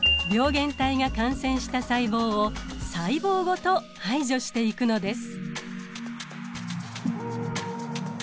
原体が感染した細胞を細胞ごと排除していくのです。